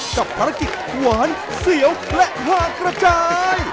กับภารกิจหวานเสียวและวางกระจาย